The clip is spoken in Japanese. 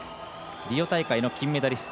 リオ大会の金メダリスト。